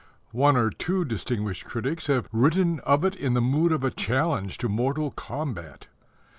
One or two distinguished critics have written of it in the mood of a challenge to mortal combat.